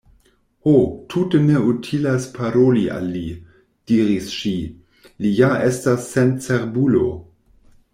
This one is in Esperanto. "Ho, tute ne utilas paroli al li," diris ŝi, "li ja estas sencerbulo.